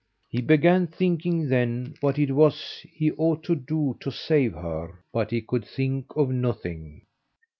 He began thinking, then, what it was he ought to do to save her, but he could think of nothing.